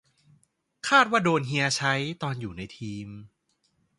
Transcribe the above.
คาดว่าโดนเฮียใช้ ตอนอยู่ในทีม